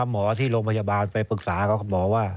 เมื่อก่อน